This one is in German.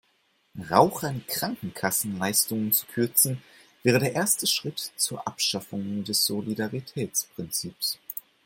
Rauchern Krankenkassenleistungen zu kürzen wäre der erste Schritt zur Abschaffung des Solidaritätsprinzips.